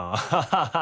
ハハハハ。